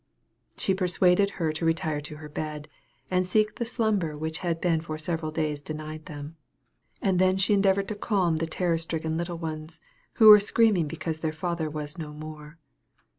She persuaded her to retire to her bed, and seek the slumber which had been for several days denied them; and then she endeavored to calm the terror stricken little ones, who were screaming because their father was no more.